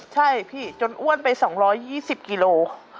ใช่พี่จนอ้วนไปสองร้อยยี่สิบกิโล